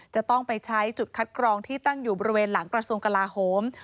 จะต้องไปใช้จุดคัดกรองที่ตั้งอยู่บริเวณหลังกระทรวงกลาโหม